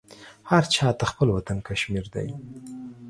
هر چاته خپل وطن کشمیر دی